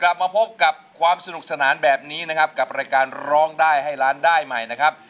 กลับมาพบกับความสนุกสนานแบบนี้นะครับกับรายการร้องได้ให้ล้านได้ใหม่นะครับ